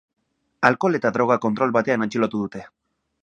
Alkohol eta droga kontrol batean atxilotu dute.